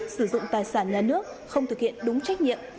sử dụng tài sản nhà nước không thực hiện đúng trách nhiệm